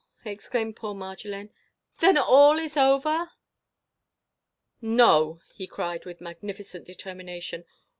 exclaimed poor Marjolaine, "then all is over!" "No!" he cried, with magnificent determination.